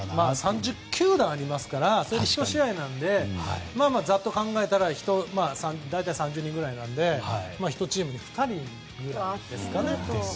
３０球団ありますからそれで１試合なのでざっと考えたら大体３０人くらいなので１チームに２人ぐらいですかね。